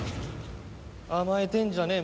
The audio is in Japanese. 甘えてんじゃねえ！